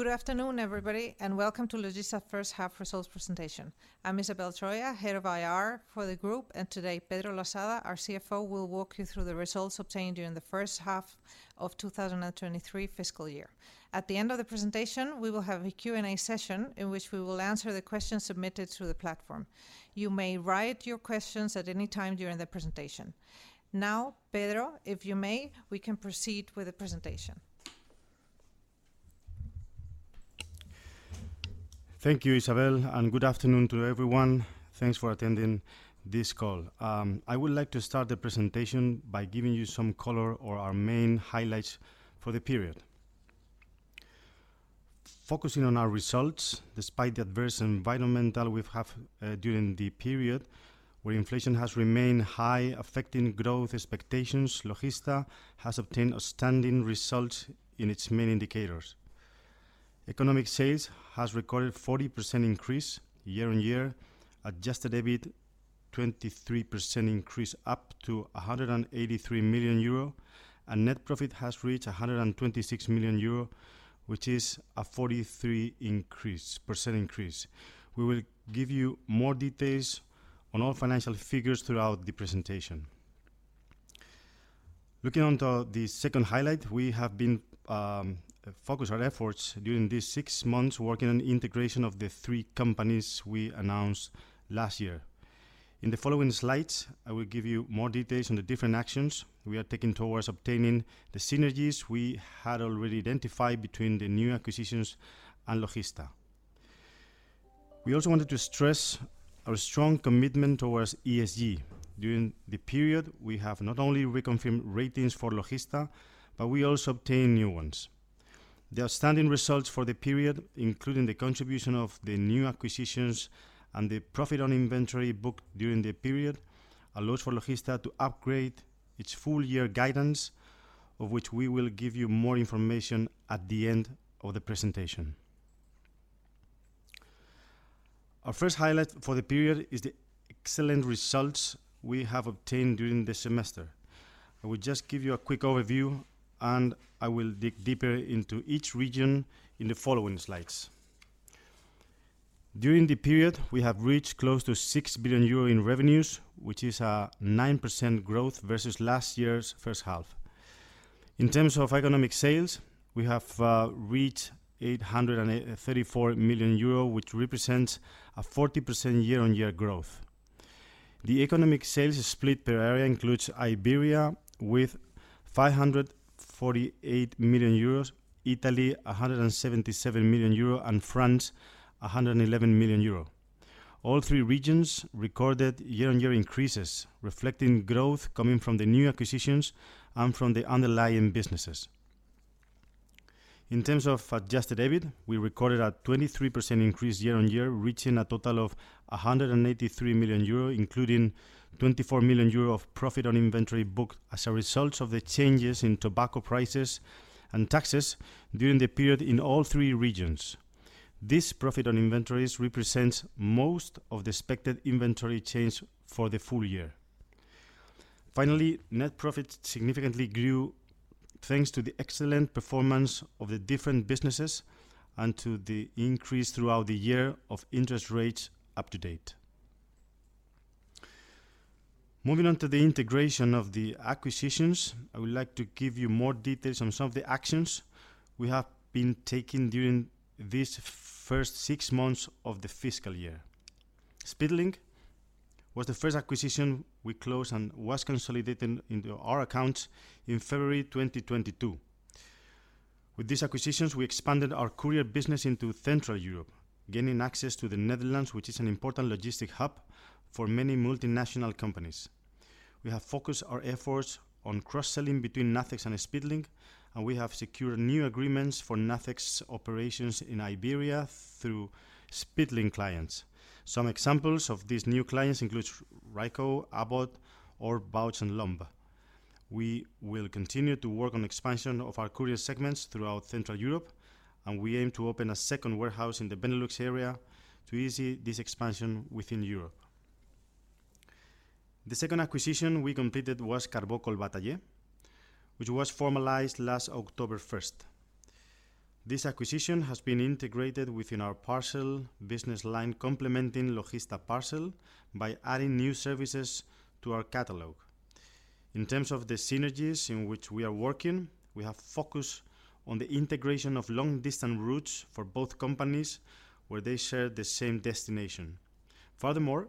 Good afternoon, everybody, welcome to Logista first half results presentation. I'm Isabel Troya, head of IR for the group. Today, Pedro Losada, our CFO, will walk you through the results obtained during the first half of 2023 fiscal year. At the end of the presentation, we will have a Q&A session in which we will answer the questions submitted through the platform. You may write your questions at any time during the presentation. Pedro, if you may, we can proceed with the presentation. Thank you, Isabel. Good afternoon to everyone. Thanks for attending this call. I would like to start the presentation by giving you some color or our main highlights for the period. Focusing on our results, despite the adverse environmental we've have during the period, where inflation has remained high, affecting growth expectations, Logista has obtained outstanding results in its main indicators. Economic sales has recorded 40% increase year-on-year. Adjusted EBIT, 23% increase up to 183 million euro. Net profit has reached 126 million euro, which is a 43% increase. We will give you more details on all financial figures throughout the presentation. Looking on to the second highlight, we have been focus our efforts during these six months working on integration of the three companies we announced last year. In the following slides, I will give you more details on the different actions we are taking towards obtaining the synergies we had already identified between the new acquisitions and Logista. We also wanted to stress our strong commitment towards ESG. During the period, we have not only reconfirmed ratings for Logista, but we also obtained new ones. The outstanding results for the period, including the contribution of the new acquisitions and the profit on inventory booked during the period, allows for Logista to upgrade its full year guidance, of which we will give you more information at the end of the presentation. Our first highlight for the period is the excellent results we have obtained during the semester. I will just give you a quick overview, and I will dig deeper into each region in the following slides. During the period, we have reached close to 6 billion euro in revenues, which is a 9% growth versus last year's first half. In terms of economic sales, we have reached 834 million euro, which represents a 40% year-on-year growth. The economic sales split per area includes Iberia with 548 million euros, Italy 177 million euros, and France 111 million euros. All three regions recorded year-on-year increases, reflecting growth coming from the new acquisitions and from the underlying businesses. In terms of Adjusted EBIT, we recorded a 23% increase year-on-year, reaching a total of 183 million euro, including 24 million euro of profit on inventory booked as a result of the changes in tobacco prices and taxes during the period in all three regions. This profit on inventories represents most of the expected inventory change for the full year. Finally, net profit significantly grew thanks to the excellent performance of the different businesses and to the increase throughout the year of interest rates up to date. Moving on to the integration of the acquisitions, I would like to give you more details on some of the actions we have been taking during these first six months of the fiscal year. Speedlink was the first acquisition we closed and was consolidated into our accounts in February 2022. With these acquisitions, we expanded our courier business into Central Europe, gaining access to the Netherlands, which is an important logistic hub for many multinational companies. We have focused our efforts on cross-selling between Nacex and Speedlink, and we have secured new agreements for Nacex operations in Iberia through Speedlink clients. Some examples of these new clients includes Ricoh, Abbott or Bausch + Lomb. We will continue to work on expansion of our courier segments throughout Central Europe, and we aim to open a second warehouse in the Benelux area to easy this expansion within Europe. The second acquisition we completed was Carbó Collbatallé, which was formalized last October first. This acquisition has been integrated within our parcel business line, complementing Logista Parcel by adding new services to our catalog. In terms of the synergies in which we are working, we have focused on the integration of long distance routes for both companies where they share the same destination. Furthermore,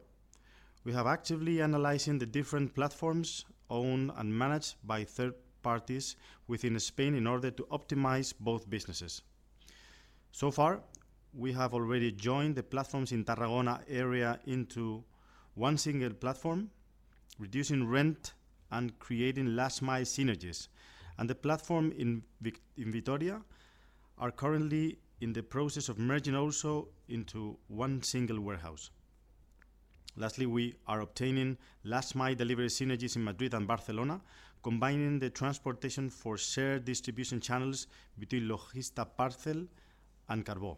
we have actively analyzing the different platforms owned and managed by third parties within Spain in order to optimize both businesses. Far, we have already joined the platforms in Tarragona into one single platform, reducing rent and creating last-mile synergies. The platform in Vitoria are currently in the process of merging also into one single warehouse. Lastly, we are obtaining last-mile delivery synergies in Madrid and Barcelona, combining the transportation for shared distribution channels between Logista Parcel and Carbó.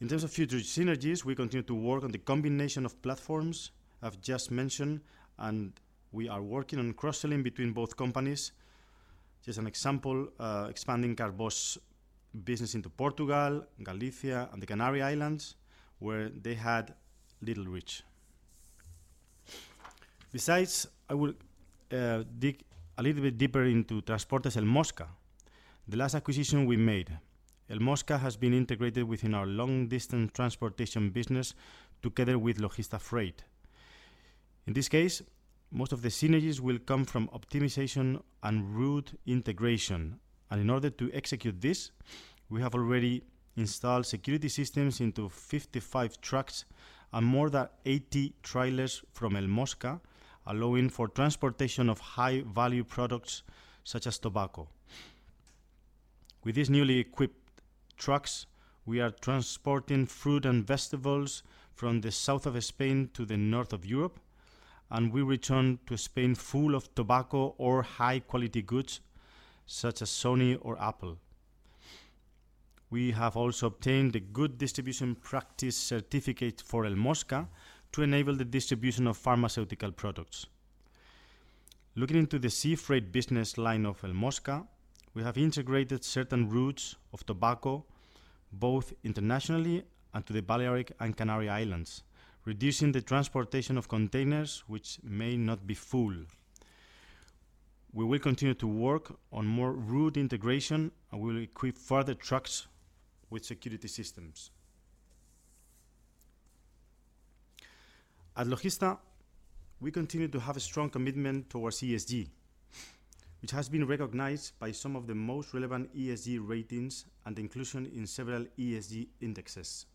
In terms of future synergies, we continue to work on the combination of platforms I've just mentioned, and we are working on cross-selling between both companies. Just an example, expanding Carbó's business into Portugal, Galicia, and the Canary Islands, where they had little reach. Besides, I will dig a little bit deeper into Transportes El Mosca, the last acquisition we made. El Mosca has been integrated within our long-distance transportation business together with Logista Freight. In this case, most of the synergies will come from optimization and route integration. In order to execute this, we have already installed security systems into 55 trucks and more than 80 trailers from El Mosca, allowing for transportation of high-value products such as tobacco. With these newly equipped trucks, we are transporting fruit and vegetables from the south of Spain to the north of Europe, and we return to Spain full of tobacco or high-quality goods such as Sony or Apple. We have also obtained a Good Distribution Practice certificate for El Mosca to enable the distribution of pharmaceutical products. Looking into the sea freight business line of El Mosca, we have integrated certain routes of tobacco, both internationally and to the Balearic and Canary Islands, reducing the transportation of containers which may not be full. We will continue to work on more route integration and will equip further trucks with security systems. At Logista, we continue to have a strong commitment towards ESG, which has been recognized by some of the most relevant ESG ratings and inclusion in several ESG indexes.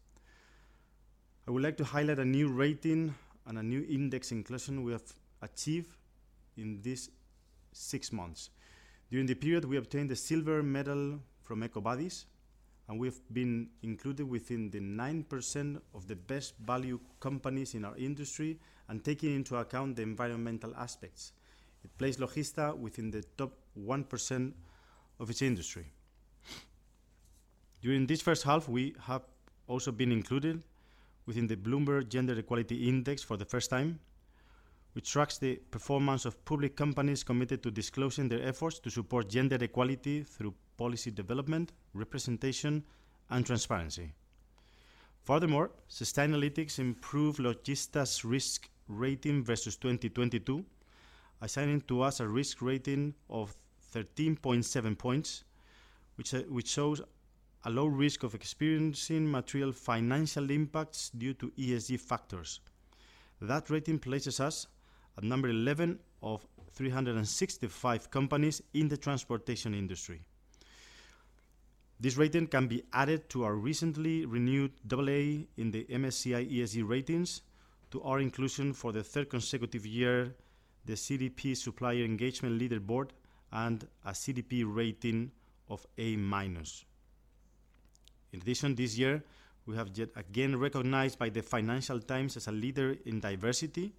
I would like to highlight a new rating and a new index inclusion we have achieved in these six months. During the period, we obtained a silver medal from EcoVadis, and we've been included within the 9% of the best value companies in our industry and taking into account the environmental aspects. It places Logista within the top 1% of its industry. During this first half, we have also been included within the Bloomberg Gender-Equality Index for the first time, which tracks the performance of public companies committed to disclosing their efforts to support gender equality through policy development, representation, and transparency. Sustainalytics improved Logista's risk rating versus 2022, assigning to us a risk rating of 13.7 points, which shows a low risk of experiencing material financial impacts due to ESG factors. That rating places us at number 11 of 365 companies in the transportation industry. This rating can be added to our recently renewed AA in the MSCI ESG ratings to our inclusion for the third consecutive year, the CDP Supplier Engagement Leaderboard and a CDP rating of A-. This year, we have get again recognized by the Financial Times as a leader in diversity.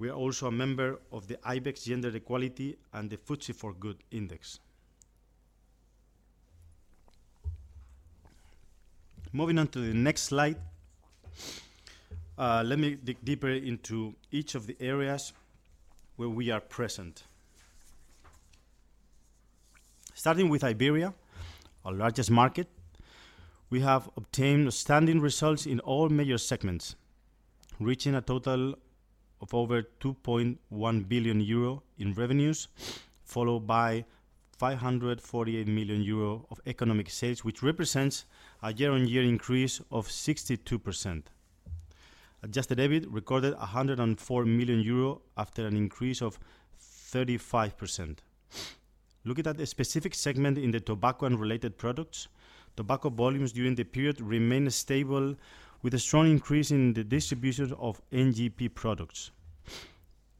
We are also a member of the IBEX Gender Equality and the FTSE4Good Index. Moving on to the next slide, let me dig deeper into each of the areas where we are present. Starting with Iberia, our largest market, we have obtained outstanding results in all major segments, reaching a total of over 2.1 billion euro in revenues, followed by 548 million euro of economic sales, which represents a year-on-year increase of 62%. Adjusted EBIT recorded 104 million euro after an increase of 35%. Looking at a specific segment in the tobacco and related products, tobacco volumes during the period remained stable with a strong increase in the distribution of NGP products.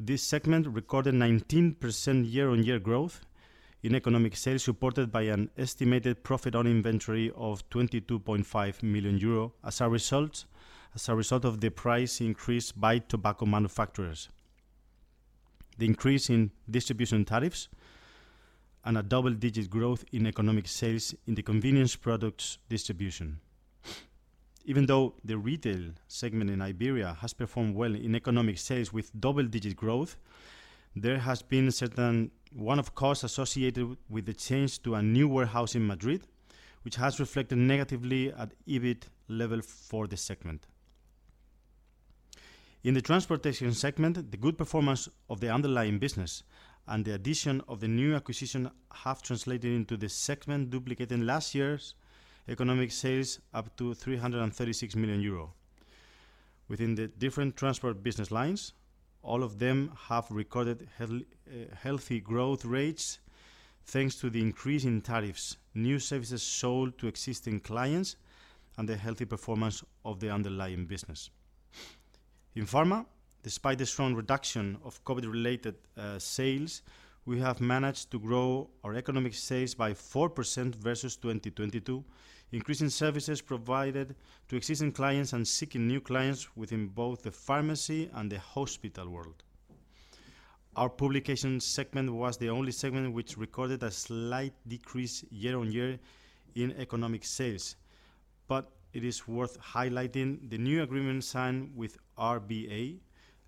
This segment recorded 19% year-on-year growth in economic sales, supported by an estimated profit on inventory of 22.5 million euro as a result of the price increase by tobacco manufacturers, the increase in distribution tariffs, and a double-digit growth in economic sales in the convenience products distribution. Even though the retail segment in Iberia has performed well in economic sales with double-digit growth, there has been a certain one-off cost associated with the change to a new warehouse in Madrid, which has reflected negatively at EBIT level for the segment. In the transportation segment, the good performance of the underlying business and the addition of the new acquisition have translated into the segment duplicating last year's economic sales up to 336 million euro. Within the different transport business lines, all of them have recorded healthy growth rates thanks to the increase in tariffs, new services sold to existing clients, and the healthy performance of the underlying business. In pharma, despite the strong reduction of COVID-related sales, we have managed to grow our economic sales by 4% versus 2022, increasing services provided to existing clients and seeking new clients within both the pharmacy and the hospital world. Our publication segment was the only segment which recorded a slight decrease year-on-year in economic sales. It is worth highlighting the new agreement signed with RBA,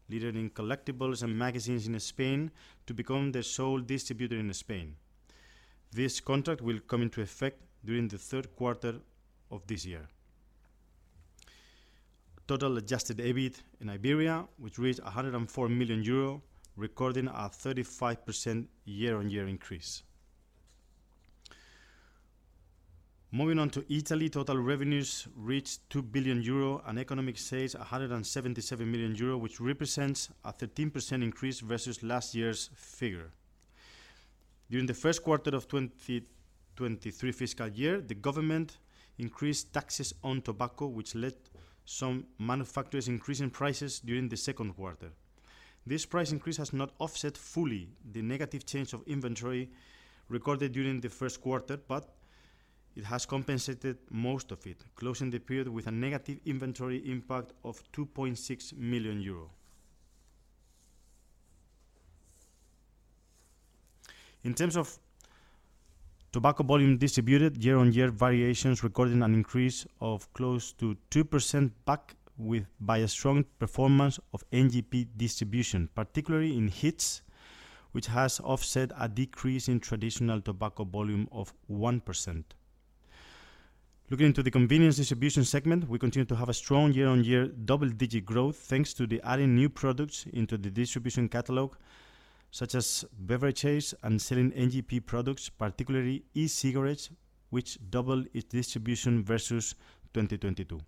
leader in collectibles and magazines in Spain, to become the sole distributor in Spain. This contract will come into effect during the third quarter of this year. Total Adjusted EBIT in Iberia, which reached 104 million euro, recording a 35% year-on-year increase. Moving on to Italy, total revenues reached 2 billion euro and economic sales 177 million euro, which represents a 13% increase versus last year's figure. During the first quarter of 2023 fiscal year, the government increased taxes on tobacco, which led some manufacturers increasing prices during the second quarter. This price increase has not offset fully the negative change of inventory recorded during the first quarter, but it has compensated most of it, closing the period with a negative inventory impact of 2.6 million euro. In terms of tobacco volume distributed, year-on-year variations recorded an increase of close to 2% backed by a strong performance of NGP distribution, particularly in HEETS, which has offset a decrease in traditional tobacco volume of 1%. Looking into the convenience distribution segment, we continue to have a strong year-on-year double-digit growth, thanks to the adding new products into the distribution catalog, such as beverages and selling NGP products, particularly e-cigarettes, which double its distribution versus 2022.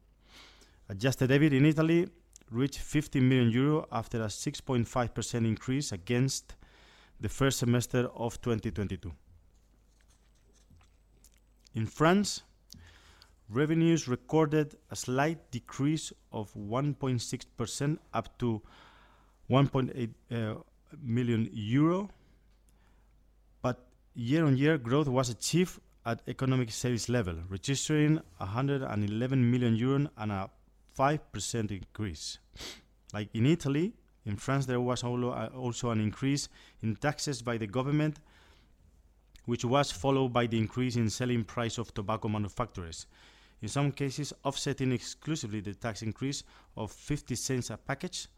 Adjusted EBIT in Italy reached 50 million euro after a 6.5% increase against the first semester of 2022. In France, revenues recorded a slight decrease of 1.6% up to EUR 1.8 million, year-on-year growth was achieved at economic sales level, registering 111 million euros and a 5% increase. In Italy, in France, there was also an increase in taxes by the government, which was followed by the increase in selling price of tobacco manufacturers. In some cases, offsetting exclusively the tax increase of 0.50 a package,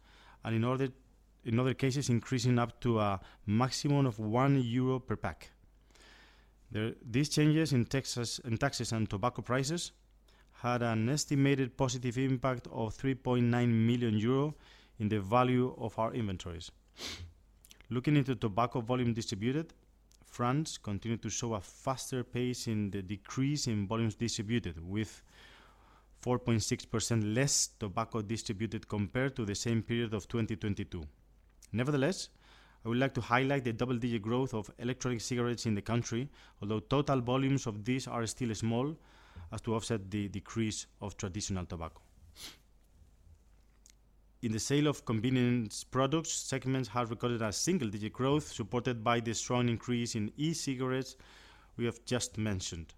in other cases, increasing up to a maximum of 1 euro per pack. These changes in taxes and tobacco prices had an estimated positive impact of 3.9 million euro in the value of our inventories. Looking into tobacco volume distributed, France continued to show a faster pace in the decrease in volumes distributed, with 4.6% less tobacco distributed compared to the same period of 2022. Nevertheless, I would like to highlight the double-digit growth of electronic cigarettes in the country, although total volumes of these are still small as to offset the decrease of traditional tobacco. In the sale of convenience products, segments have recorded a single-digit growth supported by the strong increase in e-cigarettes we have just mentioned.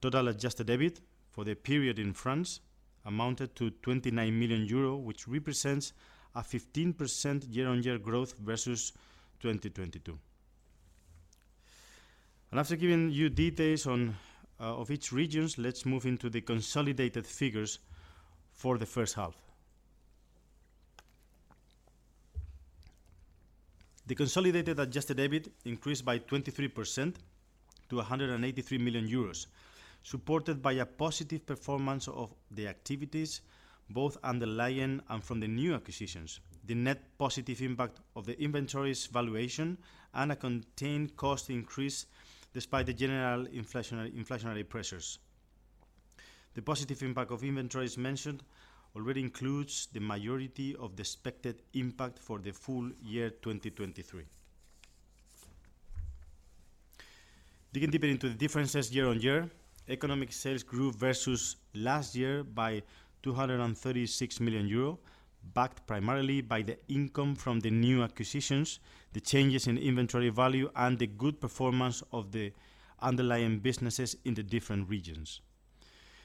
Total Adjusted EBIT for the period in France amounted to 29 million euro, which represents a 15% year-on-year growth versus 2022. After giving you details on of each regions, let's move into the consolidated figures for the first half. The consolidated Adjusted EBIT increased by 23% to 183 million euros, supported by a positive performance of the activities, both underlying and from the new acquisitions, the net positive impact of the inventories valuation, and a contained cost increase despite the general inflationary pressures. The positive impact of inventories mentioned already includes the majority of the expected impact for the full year 2023. Digging deeper into the differences year-over-year, economic sales grew versus last year by 236 million euro, backed primarily by the income from the new acquisitions, the changes in inventory value, and the good performance of the underlying businesses in the different regions.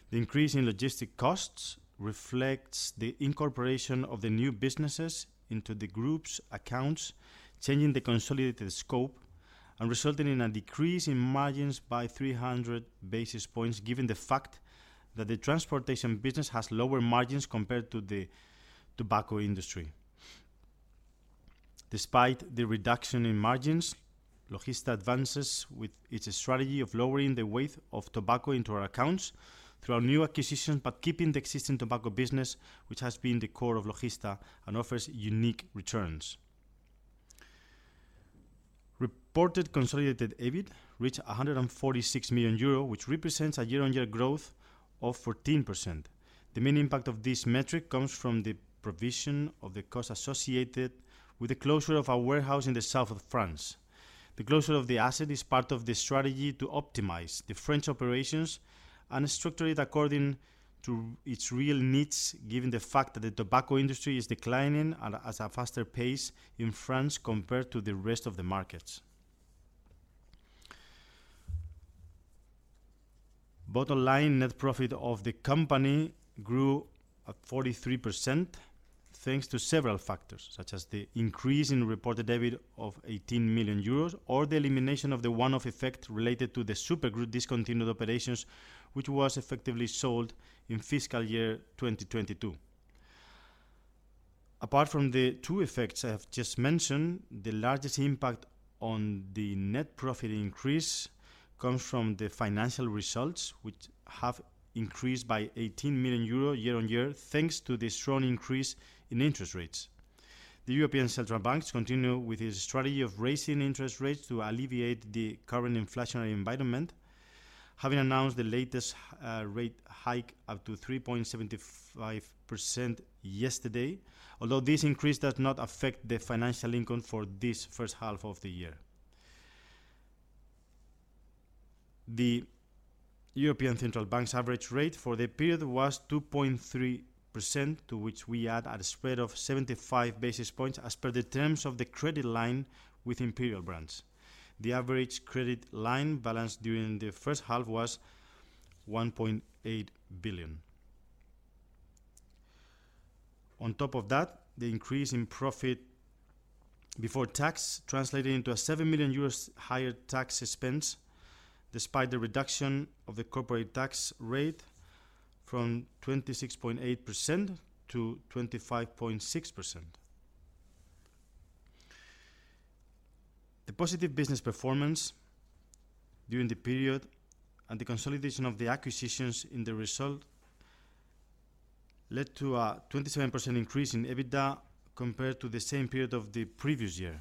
The increase in logistics costs reflects the incorporation of the new businesses into the group's accounts, changing the consolidated scope and resulting in a decrease in margins by 300 basis points, given the fact that the transportation business has lower margins compared to the tobacco industry. Despite the reduction in margins, Logista advances with its strategy of lowering the weight of tobacco into our accounts through our new acquisition, but keeping the existing tobacco business, which has been the core of Logista and offers unique returns. Reported consolidated EBIT reached 146 million euro, which represents a year-on-year growth of 14%. The main impact of this metric comes from the provision of the cost associated with the closure of our warehouse in the south of France. The closure of the asset is part of the strategy to optimize the French operations and structure it according to its real needs, given the fact that the tobacco industry is declining at a faster pace in France compared to the rest of the markets. Bottom line net profit of the company grew at 43% thanks to several factors, such as the increase in reported EBITDA of 18 million euros or the elimination of the one-off effect related to the Super Group discontinued operations, which was effectively sold in fiscal year 2022. Apart from the two effects I have just mentioned, the largest impact on the net profit increase comes from the financial results, which have increased by 18 million euros year on year, thanks to the strong increase in interest rates. The European Central Bank continues with its strategy of raising interest rates to alleviate the current inflationary environment, having announced the latest rate hike up to 3.75% yesterday. Although this increase does not affect the financial income for this first half of the year. The European Central Bank's average rate for the period was 2.3%, to which we add a spread of 75 basis points as per the terms of the credit line with Imperial Brands. The average credit line balance during the first half was 1.8 billion. On top of that, the increase in profit before tax translated into a 7 million euros higher tax expense, despite the reduction of the corporate tax rate from 26.8% to 25.6%. The positive business performance during the period and the consolidation of the acquisitions in the result led to a 27% increase in EBITDA compared to the same period of the previous year.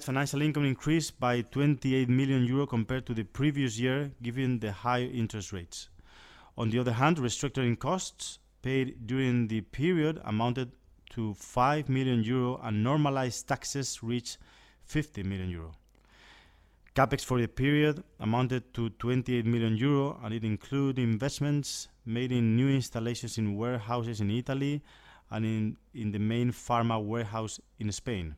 Financial income increased by 28 million euro compared to the previous year, given the high interest rates. Restructuring costs paid during the period amounted to 5 million euro, and normalized taxes reached 50 million euro. CapEx for the period amounted to 28 million euro, and it include investments made in new installations in warehouses in Italy and in the main pharma warehouse in Spain.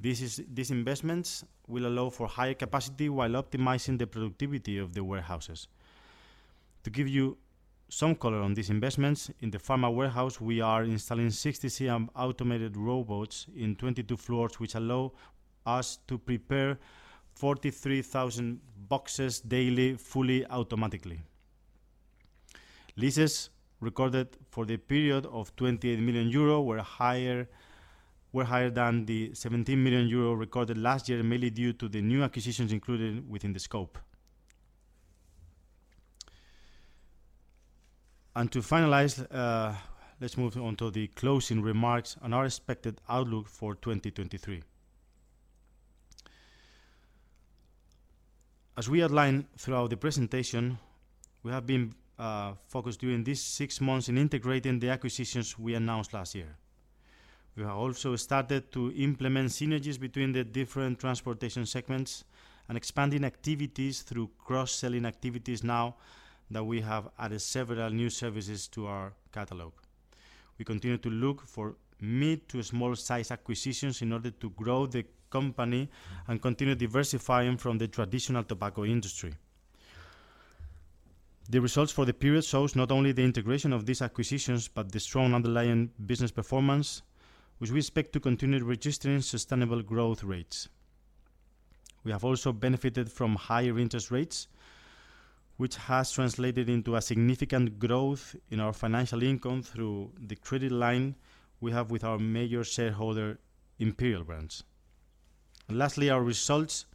These investments will allow for higher capacity while optimizing the productivity of the warehouses. To give you some color on these investments, in the pharma warehouse, we are installing 60 CM automated robots in 22 floors, which allow us to prepare 43,000 boxes daily, fully automatically. Leases recorded for the period of 28 million euro were higher than the 17 million euro recorded last year, mainly due to the new acquisitions included within the scope. To finalize, let's move on to the closing remarks on our expected outlook for 2023. As we outlined throughout the presentation, we have been focused during these six months in integrating the acquisitions we announced last year. We have also started to implement synergies between the different transportation segments and expanding activities through cross-selling activities now that we have added several new services to our catalog. We continue to look for mid to small-sized acquisitions in order to grow the company and continue diversifying from the traditional tobacco industry. The results for the period shows not only the integration of these acquisitions, but the strong underlying business performance, which we expect to continue registering sustainable growth rates. We have also benefited from higher interest rates, which has translated into a significant growth in our financial income through the credit line we have with our major shareholder, Imperial Brands. Lastly, our results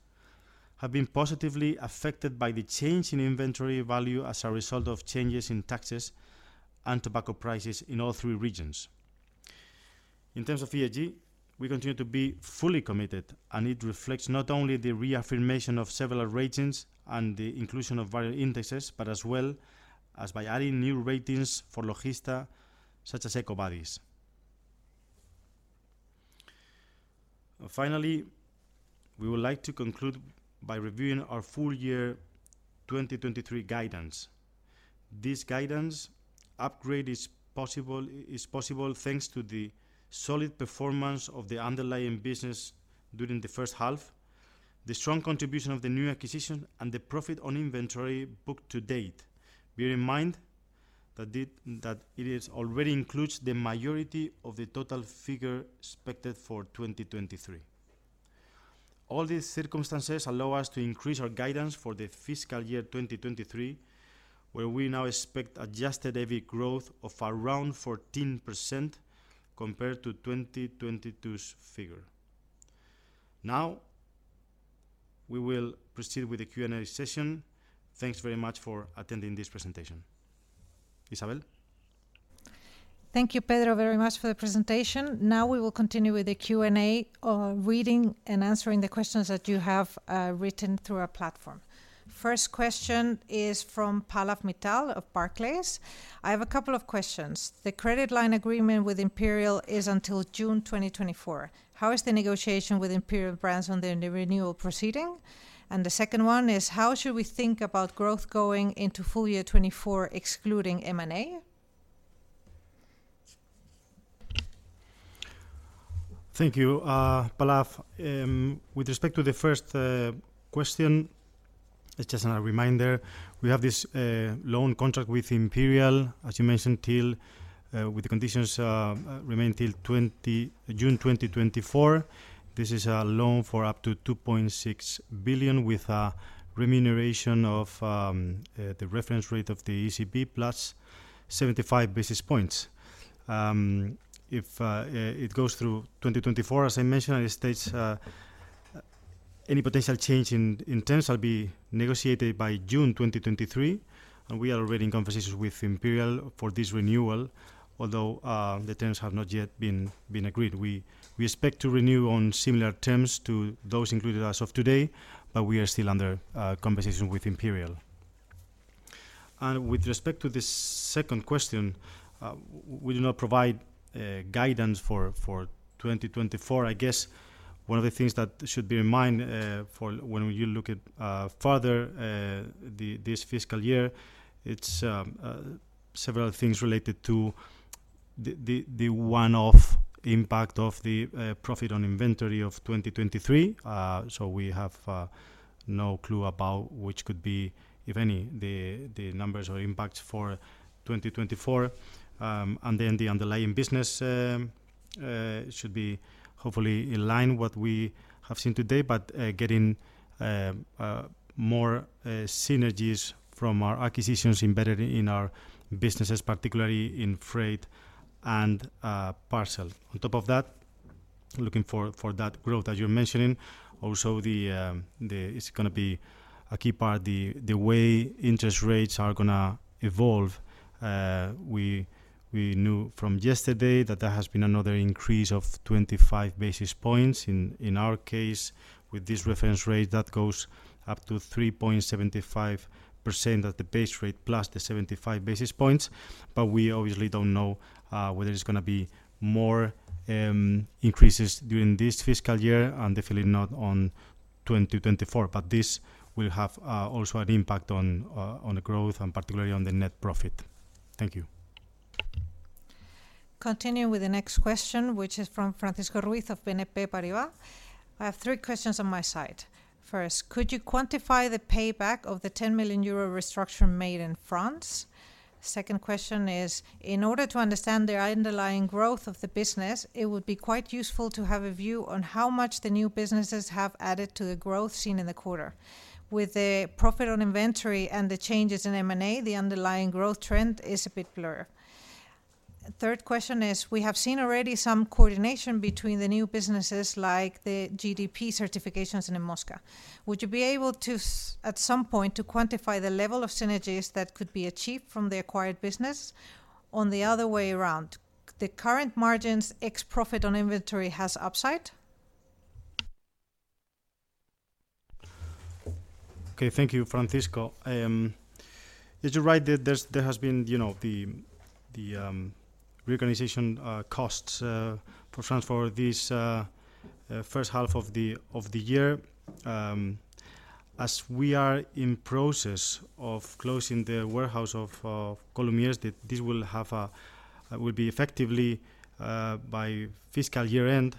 have been positively affected by the change in inventory value as a result of changes in taxes and tobacco prices in all three regions. In terms of ESG, we continue to be fully committed, and it reflects not only the reaffirmation of several ratings and the inclusion of various indexes, but as well as by adding new ratings for Logista, such as EcoVadis. Finally, we would like to conclude by reviewing our full year 2023 guidance. This guidance upgrade is possible thanks to the solid performance of the underlying business during the first half, the strong contribution of the new acquisition, and the profit on inventory booked to date. Bear in mind that it already includes the majority of the total figure expected for 2023. All these circumstances allow us to increase our guidance for the fiscal year 2023, where we now expect adjusted EBIT growth of around 14% compared to 2022's figure. Now, we will proceed with the Q&A session. Thanks very much for attending this presentation. Isabel? Thank you, Pedro, very much for the presentation. Now we will continue with the Q&A, reading and answering the questions that you have written through our platform. First question is from Pallav Mittal of Barclays. I have a couple of questions. The credit line agreement with Imperial is until June 2024. How is the negotiation with Imperial Brands on the renewal proceeding? The second one is: How should we think about growth going into full year 2024, excluding M&A? Thank you, Pallav. With respect to the first question, it's just a reminder, we have this loan contract with Imperial, as you mentioned, till with the conditions remain till June 2024. This is a loan for up to 2.6 billion with a remuneration of the reference rate of the ECB plus 75 basis points. If it goes through 2024, as I mentioned, it states any potential change in terms will be negotiated by June 2023. We are already in conversations with Imperial for this renewal, although the terms have not yet been agreed. We expect to renew on similar terms to those included as of today, but we are still under conversation with Imperial. With respect to the second question, we do not provide guidance for 2024. I guess one of the things that should be in mind when you look at further this fiscal year, it's several things related to the one-off impact of the profit on inventory of 2023. We have no clue about which could be, if any, the numbers or impacts for 2024. The underlying business should be hopefully in line what we have seen today, but getting more synergies from our acquisitions embedded in our businesses, particularly in Freight and Parcel. On top of that, looking for that growth that you're mentioning. Also the... it's gonna be a key part, the way interest rates are gonna evolve. We knew from yesterday that there has been another increase of 25 basis points. In our case, with this reference rate, that goes up to 3.75% at the base rate plus the 75 basis points. We obviously don't know whether it's gonna be more increases during this fiscal year and definitely not on 2024. This will have also an impact on the growth and particularly on the net profit. Thank you. Continue with the next question, which is from Francisco Ruiz of BNP Paribas. I have three questions on my side. First, could you quantify the payback of the 10 million euro restructure made in France? Second question is, in order to understand the underlying growth of the business, it would be quite useful to have a view on how much the new businesses have added to the growth seen in the quarter. With the profit on inventory and the changes in M&A, the underlying growth trend is a bit blurred. Third question is, we have seen already some coordination between the new businesses like the GDP certifications in Mosca. Would you be able to at some point to quantify the level of synergies that could be achieved from the acquired business on the other way around? The current margins ex profit on inventory has upside? Okay. Thank you, Francisco. As you're right, there has been, you know, the reorganization costs for France for this first half of the year. As we are in process of closing the warehouse of Colomiers, this will be effectively by fiscal year-end.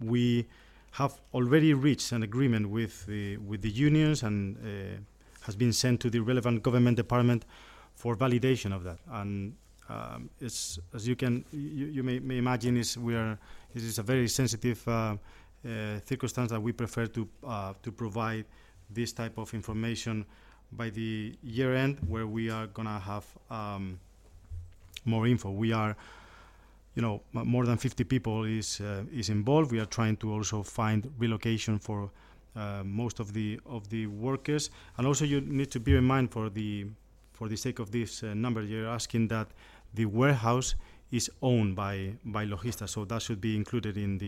We have already reached an agreement with the unions and has been sent to the relevant government department for validation of that. As you can you may imagine, This is a very sensitive circumstance, and we prefer to provide this type of information by the year-end, where we are gonna have more info. We are, you know, more than 50 people is involved. We are trying to also find relocation for most of the workers. Also, you need to bear in mind for the sake of this number you're asking, that the warehouse is owned by Logista, so that should be included in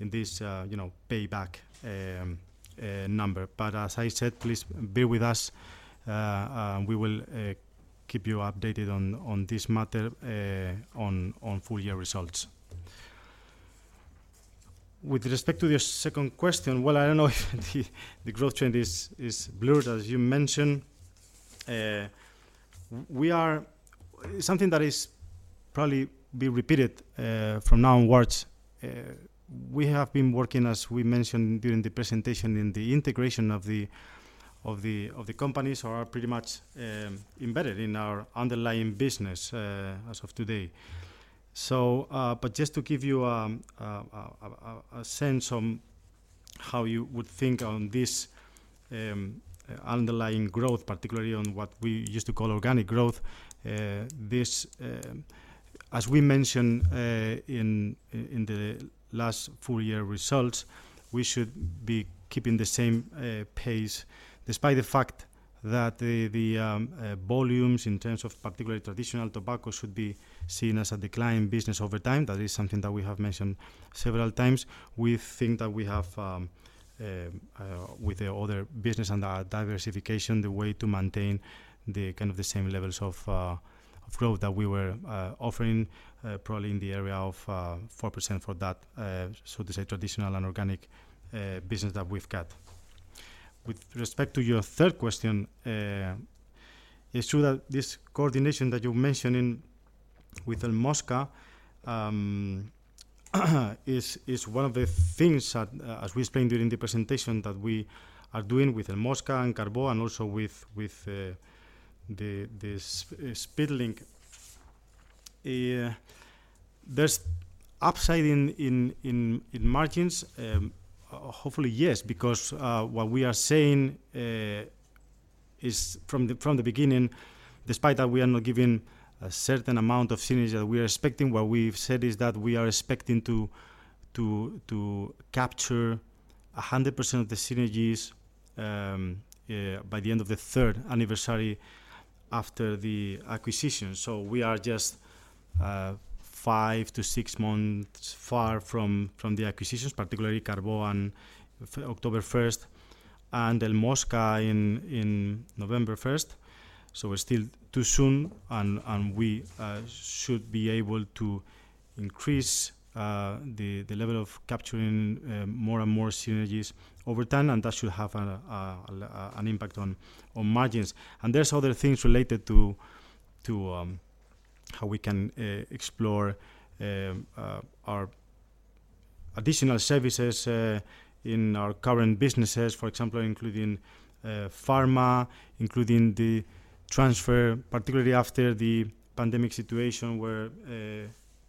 this, you know, payback number. As I said, please bear with us. We will keep you updated on this matter on full-year results. With respect to your second question, well, I don't know if the growth trend is blurred, as you mentioned. Something that is probably be repeated from now onwards. We have been working, as we mentioned during the presentation, in the integration of the companies are pretty much embedded in our underlying business as of today. But just to give you a sense on how you would think on this underlying growth, particularly on what we used to call organic growth, this as we mentioned in the last full-year results, we should be keeping the same pace despite the fact that the volumes in terms of particularly traditional tobacco should be seen as a decline business over time. That is something that we have mentioned several times. We think that we have, with the other business and our diversification, the way to maintain the kind of the same levels of growth that we were offering, probably in the area of 4% for that, so to say, traditional and organic business that we've got. With respect to your third question, it's true that this coordination that you mention in... with El Mosca, is one of the things that, as we explained during the presentation, that we are doing with El Mosca and Carbó, and also with the Speedlink. There's upside in margins, hopefully, yes, because what we are saying is from the beginning, despite that we are not giving a certain amount of synergies that we are expecting, what we've said is that we are expecting to capture 100% of the synergies by the end of the third anniversary after the acquisition. We are just five to six months far from the acquisitions, particularly Carbó on October 1st and El Mosca in November 1st. It's still too soon and we should be able to increase the level of capturing more and more synergies over time, and that should have an impact on margins. There's other things related to, how we can explore our additional services in our current businesses, for example, including pharma, including the transfer, particularly after the pandemic situation, where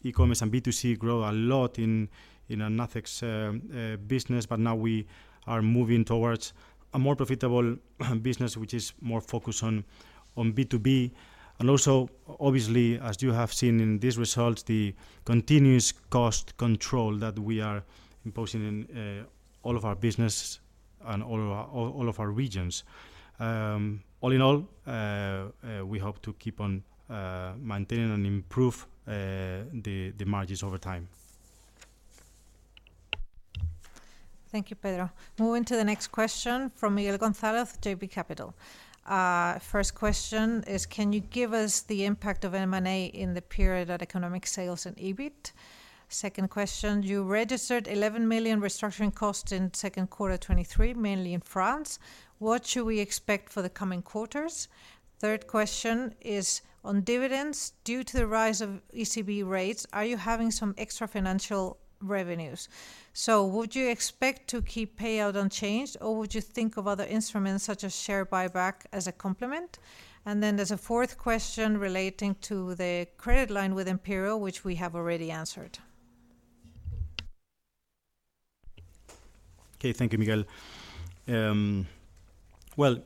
e-commerce and B2C grow a lot in Nacex business. Now we are moving towards a more profitable business, which is more focused on B2B. Also, obviously, as you have seen in these results, the continuous cost control that we are imposing in all of our business and all of our regions. All in all, we hope to keep on maintain and improve the margins over time. Thank you, Pedro. Moving to the next question from Miguel Gonzalez, JB Capital. First question is: Can you give us the impact of M&A in the period at economic sales and EBIT? Second question: You registered 11 million restructuring costs in second quarter 2023, mainly in France. What should we expect for the coming quarters? Third question is on dividends. Due to the rise of ECB rates, are you having some extra financial revenues? Would you expect to keep payout unchanged, or would you think of other instruments, such as share buyback, as a complement? There's a fourth question relating to the credit line with Imperial, which we have already answered. Okay. Thank you, Miguel. Well,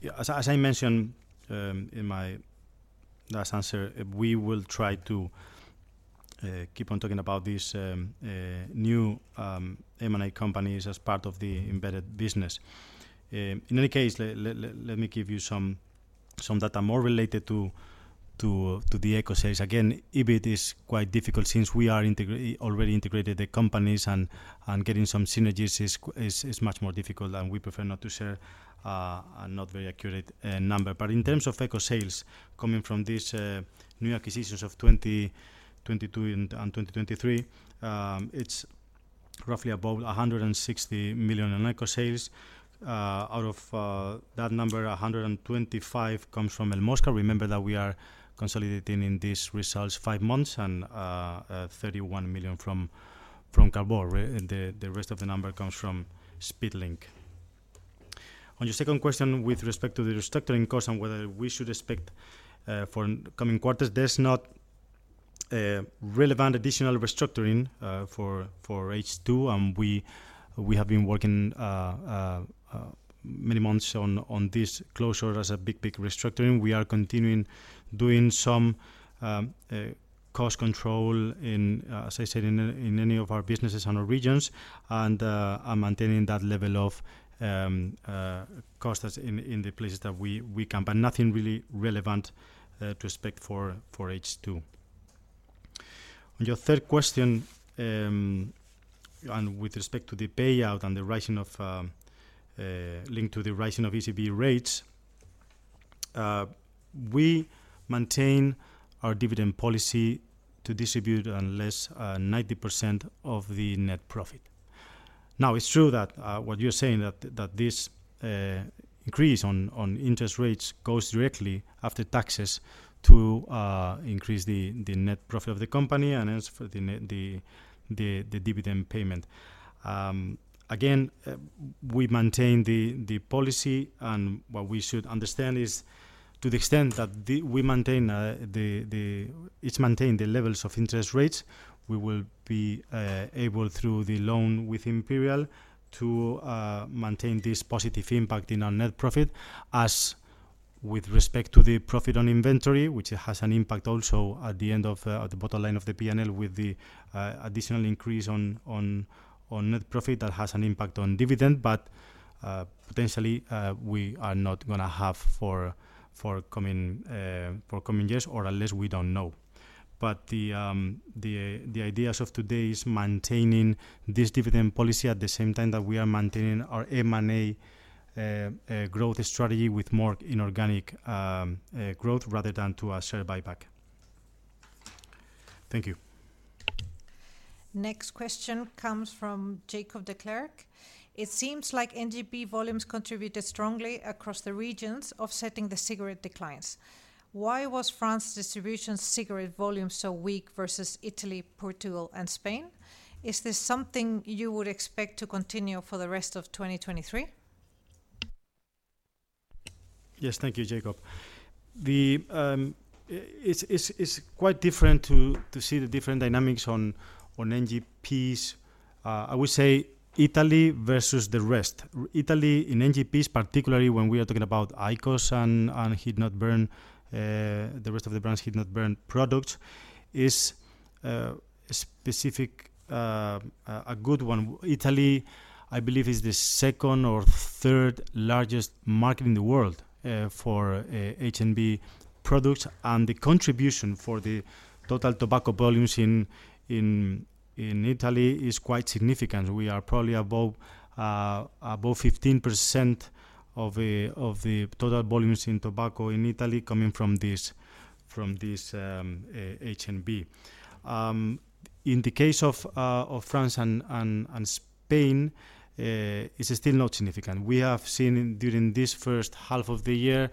yeah, as I mentioned in my last answer, we will try to keep on talking about these new M&A companies as part of the embedded business. In any case, let me give you some data more related to the eco sales. Again, EBIT is quite difficult since we are already integrated the companies and getting some synergies is much more difficult, and we prefer not to share a not very accurate number. In terms of eco sales, coming from these new acquisitions of 2022 and 2023, it's roughly above 160 million in eco sales. Out of that number, 125 comes from El Mosca. Remember that we are consolidating in these results five months, 31 million from Carbó. The rest of the number comes from Speedlink. On your second question, with respect to the restructuring cost and whether we should expect for coming quarters, there's not relevant additional restructuring for H2. We have been working many months on this closure as a big restructuring. We are continuing doing some cost control as I said, in any of our businesses and our regions and maintaining that level of cost as in the places that we can. Nothing really relevant to expect for H2. On your third question, with respect to the payout and the rising of, linked to the rising of ECB rates, we maintain our dividend policy to distribute unless 90% of the net profit. It's true that what you're saying, that this increase on interest rates goes directly after taxes to increase the net profit of the company and as for the dividend payment. Again, we maintain the policy, and what we should understand is to the extent that the... we maintain... it's maintained the levels of interest rates. We will be able, through the loan with Imperial, to maintain this positive impact in our net profit. As with respect to the profit on inventory, which has an impact also at the end of the bottom line of the P&L with the additional increase on net profit, that has an impact on dividend. Potentially, we are not gonna have for coming years or at least we don't know. The ideas of today is maintaining this dividend policy at the same time that we are maintaining our M&A growth strategy with more inorganic growth rather than to a share buyback. Thank you. Next question comes from Jacob de Clercq. It seems like NGP volumes contributed strongly across the regions offsetting the cigarette declines. Why was France distribution cigarette volume so weak versus Italy, Portugal, and Spain? Is this something you would expect to continue for the rest of 2023? Yes. Thank you, Jacob. It's quite different to see the different dynamics on NGPs. I would say Italy versus the rest. Italy in NGPs, particularly when we are talking about IQOS and heat-not-burn, the rest of the brands heat-not-burn products is a specific, a good one. Italy, I believe, is the second or third largest market in the world for HNB products, and the contribution for the total tobacco volumes in Italy is quite significant. We are probably above 15% of the total volumes in tobacco in Italy coming from this HNB. In the case of France and Spain, it's still not significant. We have seen during this first half of the year,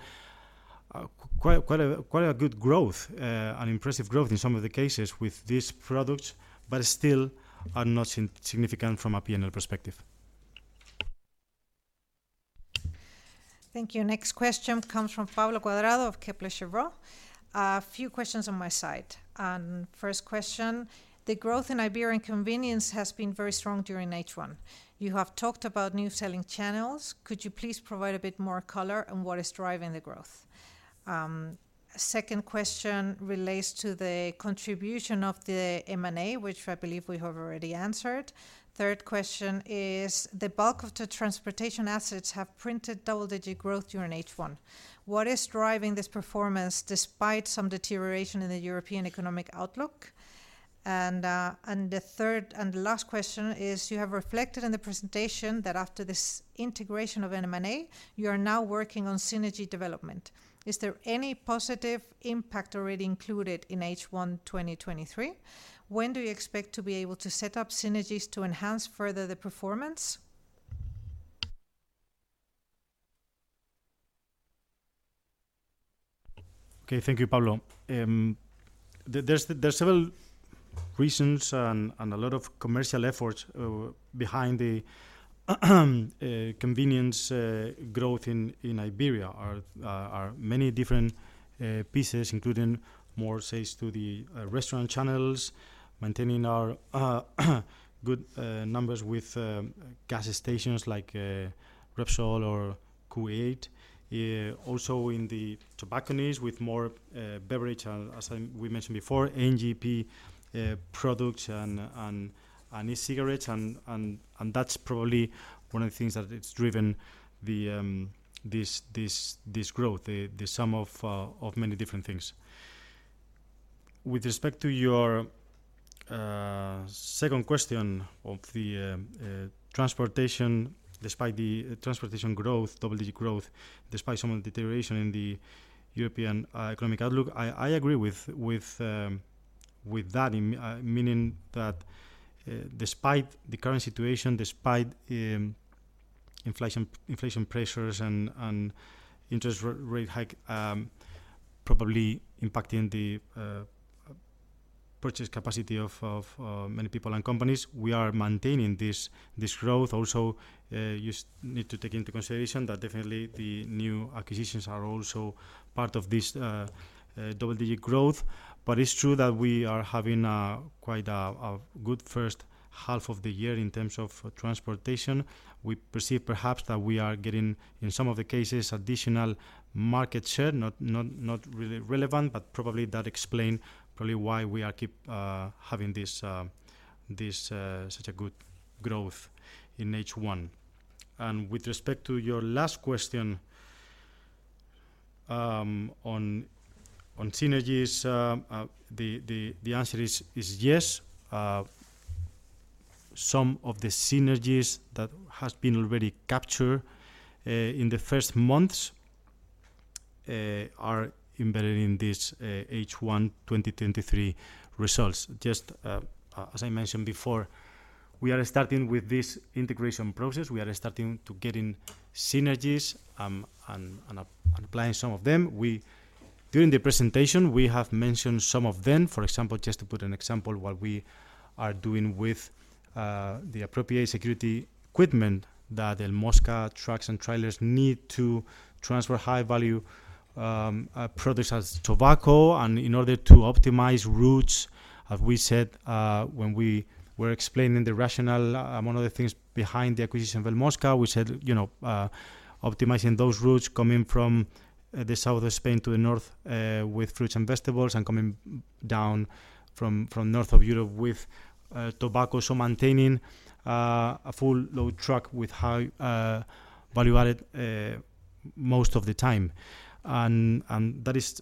quite a good growth, an impressive growth in some of the cases with these products. Still are not significant from a P&L perspective. Thank you. Next question comes from Pablo Cuadrado of Kepler Cheuvreux. A few questions on my side. First question: The growth in Iberian convenience has been very strong during H1. You have talked about new selling channels. Could you please provide a bit more color on what is driving the growth? Second question relates to the contribution of the M&A, which I believe we have already answered. Third question is: The bulk of the transportation assets have printed double-digit growth during H1. What is driving this performance despite some deterioration in the European economic outlook? The third and the last question is: You have reflected in the presentation that after this integration of an M&A, you are now working on synergy development. Is there any positive impact already included in H1 2023? When do you expect to be able to set up synergies to enhance further the performance? Okay. Thank you, Pablo. There's several reasons and a lot of commercial efforts behind the convenience growth in Iberia are many different pieces, including more sales to the restaurant channels, maintaining our good numbers with gas stations like Repsol or Kuwait. Also in the tobacconists with more beverage and as we mentioned before, NGP products and e-cigarettes. That's probably one of the things that it's driven this growth, the sum of many different things. With respect to your second question of the transportation, despite the transportation growth, double-digit growth, despite some of the deterioration in the European economic outlook, I agree with that in meaning that despite the current situation, despite inflation pressures and interest rate hike, probably impacting the purchase capacity of many people and companies, we are maintaining this growth. You need to take into consideration that definitely the new acquisitions are also part of this double-digit growth. It's true that we are having quite a good first half of the year in terms of transportation. We perceive perhaps that we are getting, in some of the cases, additional market share, not really relevant, but probably that explain probably why we are keep having this such a good growth in H one. With respect to your last question on synergies, the answer is yes. Some of the synergies that has been already captured in the first months are embedded in this H one 2023 results. Just as I mentioned before, we are starting with this integration process. We are starting to getting synergies and applying some of them. During the presentation, we have mentioned some of them. For example, just to put an example, what we are doing with the appropriate security equipment that El Mosca trucks and trailers need to transfer high-value products as tobacco. In order to optimize routes, as we said, when we were explaining the rationale, one of the things behind the acquisition of El Mosca, we said, you know, optimizing those routes coming from the south of Spain to the north with fruits and vegetables and coming down from north of Europe with tobacco. Maintaining a full load truck with high value added most of the time. That is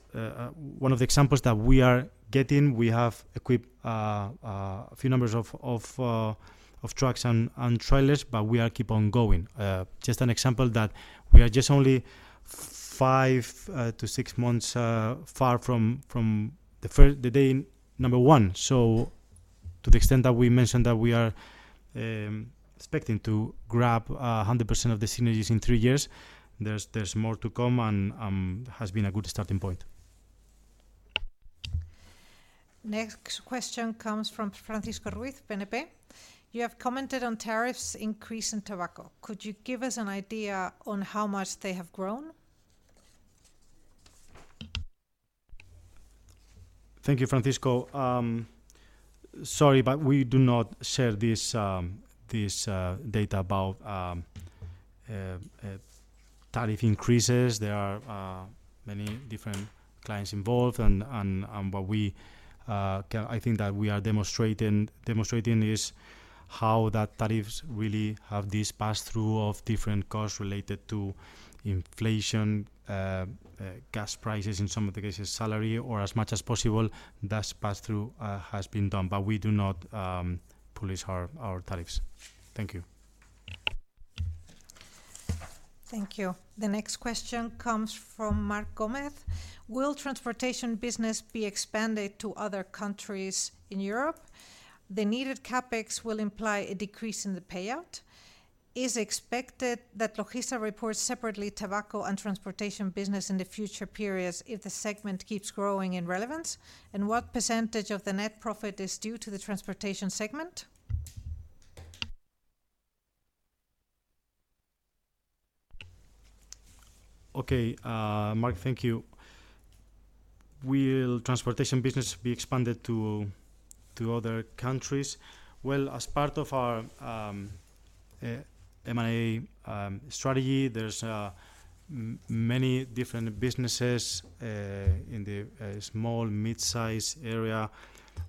one of the examples that we are getting. We have equipped a few numbers of trucks and trailers. We are keep on going. Just an example that we are just only five to six months far from the first day number one. To the extent that we mentioned that we are expecting to grab 100% of the synergies in three years. There's more to come and has been a good starting point. Next question comes from Francisco Ruiz, BNP. You have commented on tariffs increase in tobacco. Could you give us an idea on how much they have grown? Thank you, Francisco. Sorry, we do not share this data about tariff increases. There are many different clients involved and what we think that we are demonstrating is how that tariffs really have this pass-through of different costs related to inflation, gas prices, in some of the cases, salary, or as much as possible, thus pass-through has been done. We do not police our tariffs. Thank you. Thank you. The next question comes from Marc Gomez. Will transportation business be expanded to other countries in Europe? The needed CapEx will imply a decrease in the payout. Is expected that Logista reports separately tobacco and transportation business in the future periods if the segment keeps growing in relevance? What percentage of the net profit is due to the transportation segment? Mark, thank you. Will transportation business be expanded to other countries? As part of our M&A strategy, there's many different businesses in the small mid-size area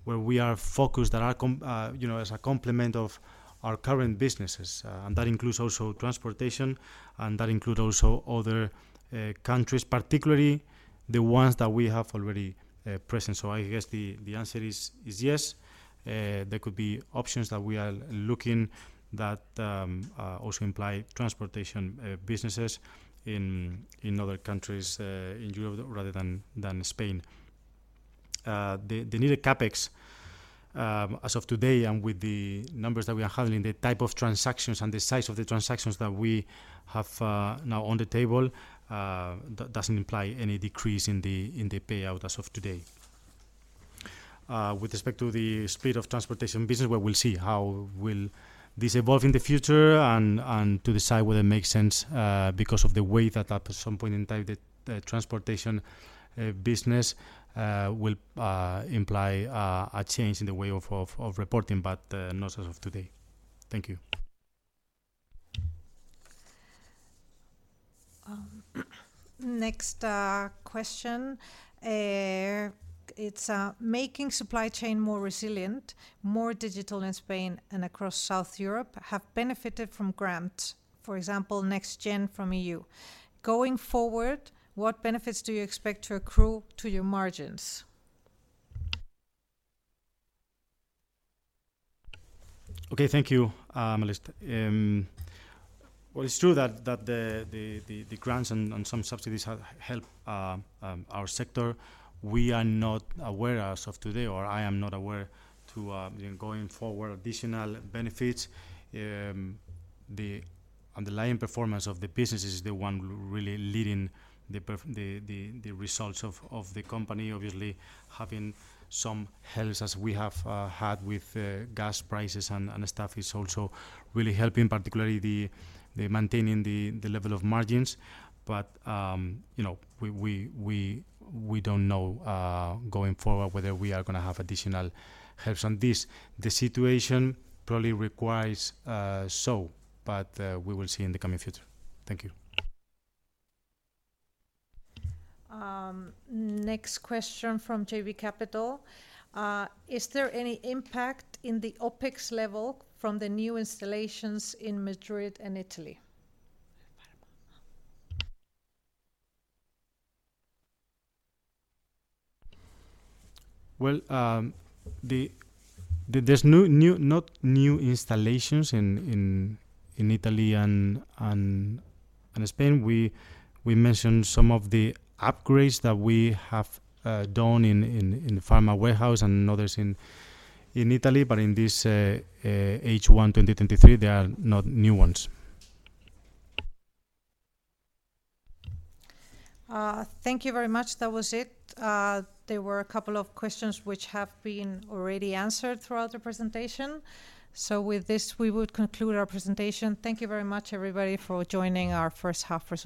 where we are focused and are, you know, as a complement of our current businesses. That includes also transportation, and that include also other countries, particularly the ones that we have already present. I guess the answer is yes. There could be options that we are looking that also imply transportation businesses in other countries in Europe rather than Spain. Uh, the, the needed CapEx, um, as of today and with the numbers that we are handling, the type of transactions and the size of the transactions that we have, uh, now on the table, uh, d-doesn't imply any decrease in the, in the payout as of today. Uh, with respect to the speed of transportation business, well, we'll see how will this evolve in the future and, and to decide whether it makes sense, uh, because of the way that at some point in time the, the transportation, uh, business, uh, will, uh, imply, uh, a change in the way of, of, of reporting, but, uh, not as of today. Thank you. Next, question, it's making supply chain more resilient, more digital in Spain and across South Europe have benefited from grants, for example, NextGenerationEU from EU. Going forward, what benefits do you expect to accrue to your margins? Okay, thank you, Alice. Well, it's true that the grants and some subsidies have help our sector. We are not aware as of today, or I am not aware to, you know, going forward additional benefits. The underlying performance of the business is the one really leading the results of the company. Obviously, having some helps as we have had with gas prices and stuff is also really helping, particularly the maintaining the level of margins. You know, we don't know going forward whether we are gonna have additional helps on this. The situation probably requires so, but we will see in the coming future. Thank you. Next question from JB Capital. Is there any impact in the OpEx level from the new installations in Madrid and Italy? Well, there's no new installations in Italy and Spain. We mentioned some of the upgrades that we have done in the pharma warehouse and others in Italy. In this H1 2023, there are not new ones. Thank you very much. That was it. There were a couple of questions which have been already answered throughout the presentation. With this, we would conclude our presentation. Thank you very much everybody for joining our first half present-